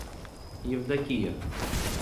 Евдокия